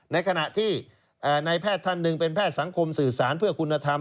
ในขณะที่นายแพทย์ท่านหนึ่งเป็นแพทย์สังคมสื่อสารเพื่อคุณธรรม